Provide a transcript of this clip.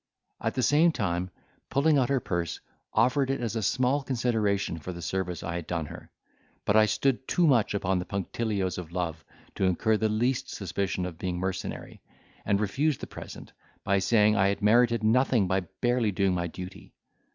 At the same time, pulling out her purse, offered it as a small consideration for the service I had done her. But I stood too much upon the punctilios of love to incur the least suspicion of being mercenary, and refused the present, by saying I had merited nothing by barely doing my duty.